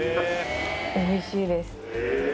おいしいです